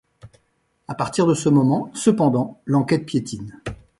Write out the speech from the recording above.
À partir de ce moment, cependant, l'enquête piétine.